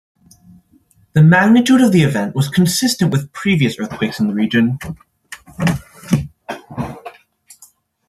The magnitude of the event was consistent with previous earthquakes in this region.